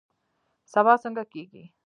سبا څنګه کیږي؟